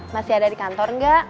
masih ada di kantor nggak